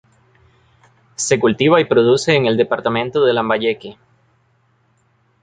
Se cultiva y produce en el departamento de Lambayeque.